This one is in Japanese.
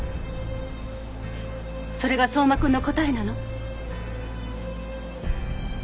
それが相馬君の答えなの？